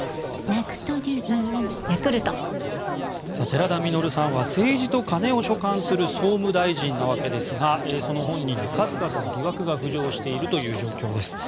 寺田稔さんは政治と金を所管する総務大臣なわけですがその本人に数々の疑惑が浮上しているという状況です。